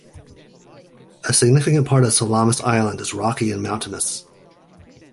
A significant part of Salamis Island is rocky and mountainous.